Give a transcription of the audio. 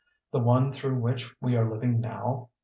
The one through which we are living now?